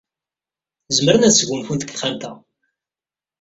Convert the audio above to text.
Zemren ad sgunfun deg texxamt-a.